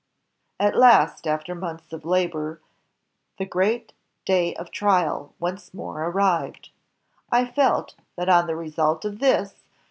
"At last after months of labor, the great day of trial once more arrived. ... I felt that on the result of this